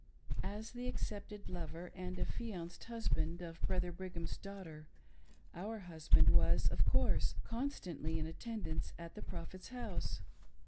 As the accepted lover and affianced husband of Brother Brigham's daughter, our husband was, of course, constantly in attendance at the Prophet's house.